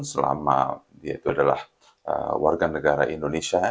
selama dia itu adalah warga negara indonesia